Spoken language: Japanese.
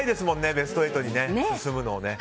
ベスト８に進むのを。